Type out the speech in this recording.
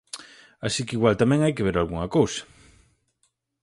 Así que igual tamén hai que ver algunha cousa.